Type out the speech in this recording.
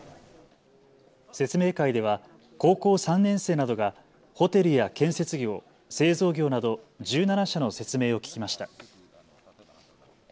説明会では高校３年生などがホテルや建設業、製造業など１７社の説明を聞きました。